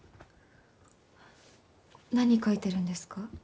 何書いてるんですか？